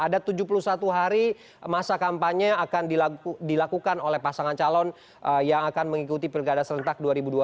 ada tujuh puluh satu hari masa kampanye akan dilakukan oleh pasangan calon yang akan mengikuti pilkada serentak dua ribu dua puluh